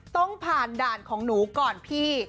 ต้องผ่านด่านของหนูก่อนพี่